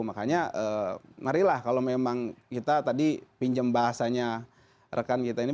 makanya marilah kalau memang kita tadi pinjam bahasanya rekan kita ini